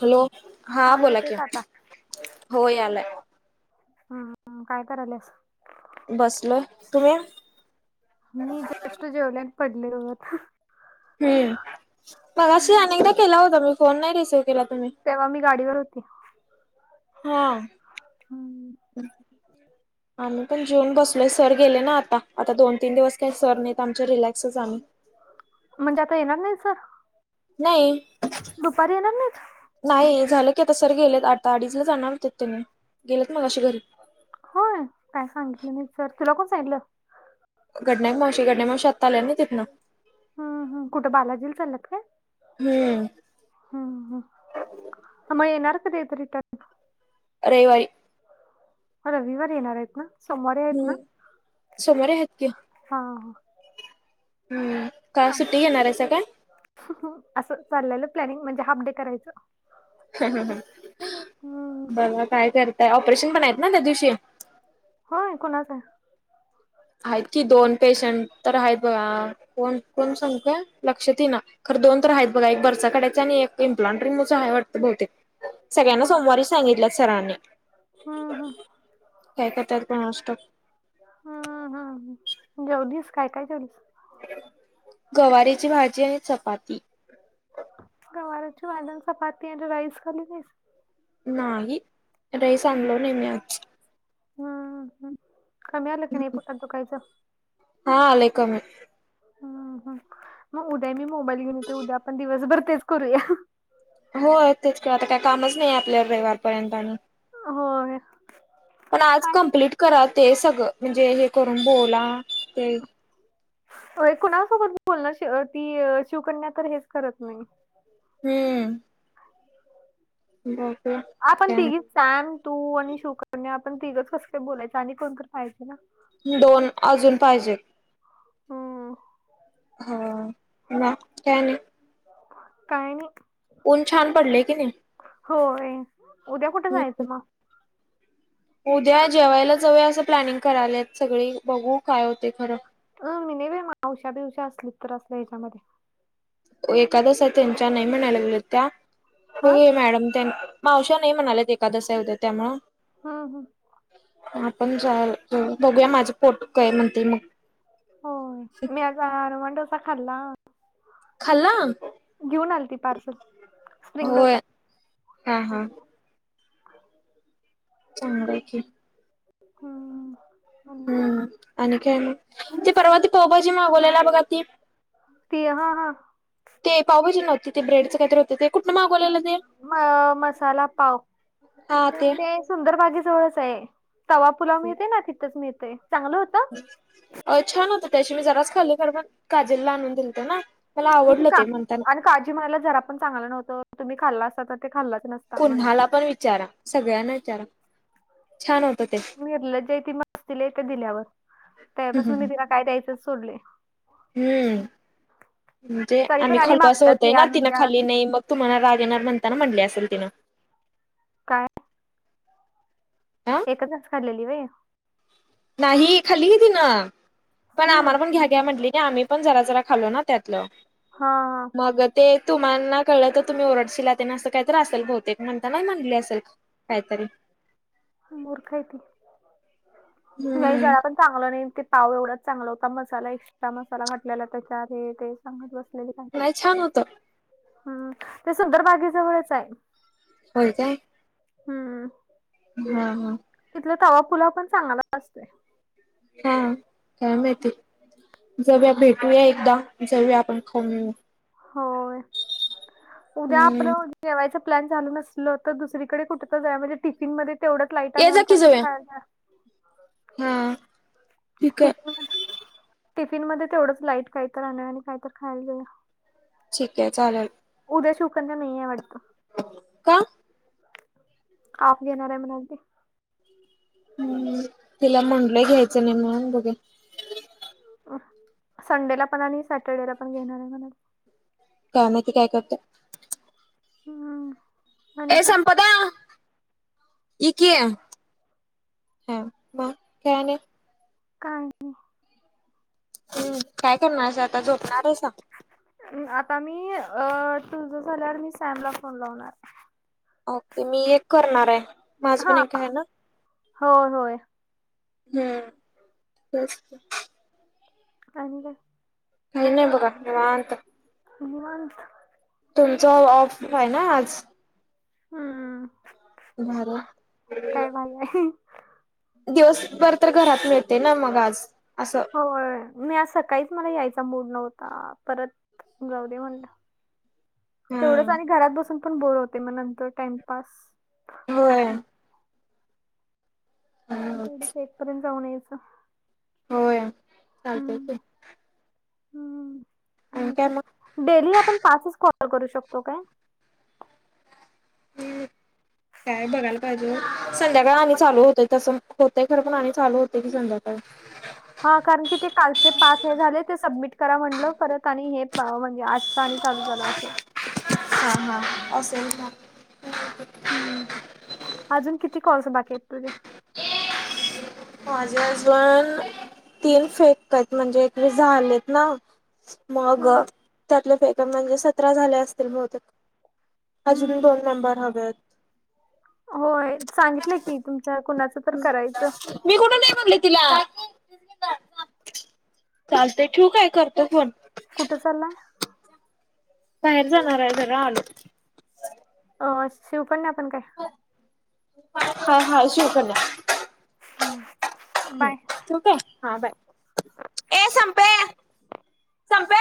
Hello हा आवाज बोला येतोय कि का आता हो यालाय हम काय कराल्यास? बसलोय तुम्ही मी जस्ट जेवले, पडले लोळत. हम्म मघाशी अनेकदा केला होता मी फोन नाही रिसीव्ह केला तुम्ही. तेव्हा मी गाडीवर होती. हा हम्म, [unintelligible] आम्ही पण जेऊन बसलोय सर गेले ना आता, आता दोन तीन दिवस काही सर नाहीत आमचे रिलॅक्सच आम्ही. म्हणजे आता येणार नाही सर नाही. दुपारी येणार नाहीत. नाही झालं की, आता सर गेलेत, आता अडीचला जाणारत त्यांने गेलेत मगाशी घरी. होय काय सांगितलं नाहीत सर तुला कोण सांगितलं. घडनायक मावशी, घडण्या मावशी आता आल्यात आहे ना तिनं. हम, हम कुठं बालाजीला चाल्यात काय? हम्म. हम्म, हम, आ मग येनार कधी आहेत, रिटर्न. रविवारी. रविवार येणार आहेत ना, सोमवारी आहेत ना हम्म सोमवारी आहेत की हा. का हा आज सुट्टी घेणार आहेसा काय? असं चाललेलं प्लॅनिंग म्हणजे हाफ डे करायचं. ह हम्म बघ काय करतय, ऑपरेशन पण आहेत ना त्या दिवशी. होय कुणाच आहे. आहेत कि, दोन पेशंट तर आहेत बघा, कोण-कोण सांगतो लक्षात येईना. खर दोन तर आहेत, बघा एक बरसा कड्याचे आणि एक इम्प्लांटिं आहे वाटंत बहुतेक. सगळ्यांना होय सोमवारी सांगितल्यात सरांनी. हम्म हम्म काय कारत्यात कोणास ठाऊक. जेलीस काय-काय जेवलीस? गवारीेची भाजी आहे, चपाती. गवारची भाजी, चपाती आणि राईस खाल्ली नाहीस. नाही राईस अनलो नाही मी. हम्म हम्म. कमी आलं की नाही पोटात दुखायचं. हा आलय कामी. हम. हम मग उद्या मी मोबाईल घेऊन येते, उद्या आपण दिवसभर तेच करूया. हो तेच की आता काही कामच नाही आपल्या रविवारपर्यंत आणि. होय. पण आज पाय कम्प्लीट कराव ते हे सगळं, म्हणजे हे करून बोला ते. होय कुणासोबत बोलनार, ती शिवकन्या तर हेच करत नाही. हम्म. बाकी. आपण काय तिघी, सॅम तू आणि शिवकन्या आपण तिघच कसं काय बोलायचं आणि कोणत पाहायच ना. दोन अजून पाहिजे. हम्. हम्म. काय आणि? काही नाही. ऊन छान पडले कणी. होय उद्या कुठं हम्म जायचं मग. उद्या जेवायला जावूया असं प्लॅनिंग करायल्यात सगळी बघू काय होते खरं. अं मी नाही बाई मावश्या-बिवश्या असली तर असल्या ह्याच्यामध्ये. एकादस आहे त्यांच्या नाही म्हणायला लागल्यात त्या, हा बघूया मॅडम तेन. मावश्या नाही म्हणाल्यात एकदस हाय त्यामुळे. हा हा. आपण जा बघूया माझे पोट काय म्हणते मग. हो मी आज अरव डोसा खाल्ला. खाल्ला. घेऊन आली. ती पार्सल स्प्रिंग होय डोसा हा हा चांगला की. हम. हम्, आणि काय मग? ती परवा ती पावभाजी मागवलेला, बघा ती. ती, हा-हा. ते पावभाजी नव्हती, ते ब्रेडचं काहीतर होत. ते काय कुठं न मागव म मसाला पाव ते. सुंदर बागे जवळच आहे, तवा पुुलाव मिळते. ना, तिथंच मिळते चांगलं होत. अं, छान होत. त्यादिवशी मी जराच खाल्ली खरं, पण काजलला आणून दिलते ना. मला मग आवडलं का? ते म्हणताना आणि काजी म्हणायला जरा पण चांगलं नव्हतं, तुम्ही खाल्ला असता तर ते खाल्लच नसतं. कुणालाही पण विचारा, सगळ्यांना विचारा. छान होतं ते निर्लज आहे ती. मस्तीला येते. दिल्यावर त्यापासून मी तिला काय द्यायचंच सोडले. हम्म, म्हणजे तरी पण आम्ही आणि खालो असं मागतात होतय हे नां? ती आणून ना द्या खाली नाही मग. तुम्हाला राग येणार, म्हणताना म्हटले असेल तिनं. काय हा एकच घास खाललेली व्हयं. नाही, खाल्ली की तिनं, पण आम्हाला पण, हम्म घ्या-घ्या, म्हटंली की आम्ही पण जरा-जरा खालो ना त्यातलं. हा-हा. मग ते तुम्हानां कळलं तर तुम्ही ओरडशीला ते ना, असं काही तर असेल बहुतेक म्हणताना म्हणले असेल. काहीतरी मूर्ख आहे ती, नाही हम्म जरा पण चांगलं नाही ते, पाव एवढाच चांगला होता. मसाला एक्स्ट्रा मसाला घातटलेला त्याच्यात, हे ते. सांगत बसलेली काय-काय. नाही छान होत हम्म, ते सुंदर बागे जवळच आहे. होय, काय? हम्म. हम्-हम. तिथला तवा पुलाव पण चांगला असतोय. हम्म, काय माहिती? जाऊया, भेटूया एकदा जाऊया आपण, खाऊ येऊ. होय, उद्या हम्म आपलं जेवायच प्लॅन झालं नसलं तर दुसरीकडे कुठंतरी जाऊया. म्हणजे टिफिन मध्ये तेवढं लाईट अन ये आणि कायतरी खायचं. हम्म. टिफिन म टिफिन मध्ये तेवढंच लाईट काहीतर आणूया आणि काहीतर खायला जाऊया. ठीक आहे, चालेल. उद्या शिवकन्या नाहीेये वाटत. का? आप घेणारंय, म्हणले ते. हम्म, तिला म्हटलंय घ्यायचं नाही म्हणून बघुया. आ, संडेला पण आणि सॅटर्डेला पण घेणार आहे, म्हणाला. का नाही? ते काय करत्या? हम. ए संपदा इ कि ह मा कराणे [inaudible] काय? हम्म काय करणार अस आता झोपणार आहे का? आता मी अ तुझ झाल्यावर मी सॅम ला फोन लावणार. ओके मी एक करणार आहे माझ पण हा एक का आहे ना. होय होय हम्म तेच त. आणि काय? काही नाही बाबा निवांत. निवांत. तुमचा ऑफ आहे ना आज? हम्म. [inaudible] [inaudible] दिवसभर तर घरात मिळते ना मग आज असं. हो मी आज सकाळीच मला यायचा मूड नव्हता परत जाऊ दे म्हणलं. तेवढंच आणि हम्म घरात बसून पण बोर होते मग नंतर टाइम पास होत होय हम्म तेवढाच एक पर्यंत जाऊन यायचं. होय. चालतय हम्म की. हम्म आणि काय? डेली आपण पाचच कॉल करू शकतो काय? हम्म. काय बघायला पाहिजे संध्याकाळ आम्ही पण- चालू होतोय तसं. होतय खर पण आणि चालू होते की संध्याकाळी. हा कारण की ते कालचे पाच हे झाले ते सबमिट करा म्हणलं परत आणि पहा हे म्हणजे सहानी चालू झालं असं. हां -हां अस [unintelligible] हम्म. अजून किती कॉल्स बाकी आहेत तुझे? माझे अजून. तीन फेकत म्हणजे एक झालेत ना. मग हम्म. त्यातले फेग म्हणजे सतरा झाले असतील बहूतेक अजून हम्म. दोन मेंबर हव्येत. होय. सांगितलं की तुमच्या कुणाच हम्म [inaudible] मी कुठ नाही म्हणले तिला चालतय ठेऊ आहे करतो फोन. कुठं चाललाय? बाहेर जाणार आहे जरा आज. अ शिव पण नाही आपण काय? हा- हा शिव पण ये. हम्म. ठीक काय हा बाय ए संपे संपे.